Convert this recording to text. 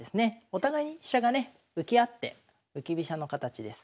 お互いに飛車がね浮き合って浮き飛車の形です。